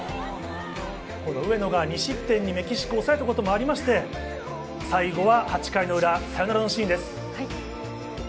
上野が２失点にメキシコを抑えたこともあり、最後は８回の裏、サヨナラのシーンです。